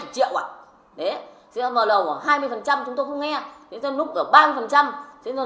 triệu ạ đấy sẽ vào đầu của hai mươi phần trăm chúng tôi không nghe đến lúc ở ba mươi phần trăm thế nên